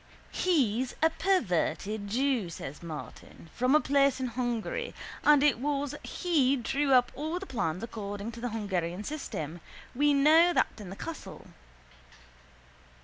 —He's a perverted jew, says Martin, from a place in Hungary and it was he drew up all the plans according to the Hungarian system. We know that in the castle.